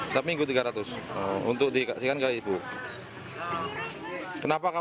bapak untuk bantu siapa